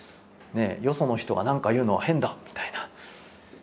よその人が何か言うのは変だみたいな。